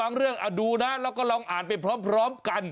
เรื่องดูนะแล้วก็ลองอ่านไปพร้อมกัน